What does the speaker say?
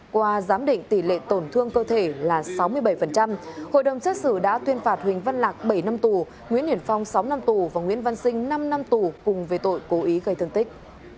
qua giám định tỷ lệ tổn thương cơ thể là sáu mươi bảy hội đồng xét xử đã tuyên phạt huỳnh văn lạc bảy năm tù nguyễn hiển phong sáu năm tù và nguyễn văn sinh năm năm tù cùng về tội cố ý gây thương tích